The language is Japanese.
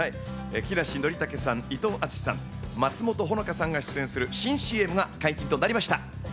木梨憲武さん、伊藤淳史さん、松本穂香さんが出演する新ＣＭが解禁となりました。